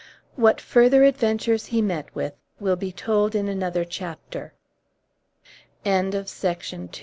What further adventures he met with will be told in another chapter. THE SIEGE OF ALBRA